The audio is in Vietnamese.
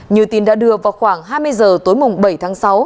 như tin đã đưa vào khoảng hai mươi giờ tối mùng bảy tháng sáu